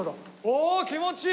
おお気持ちいい！